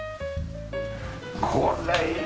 これいい！